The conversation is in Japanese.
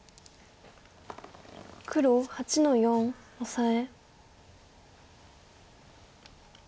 黒８の四オサエ。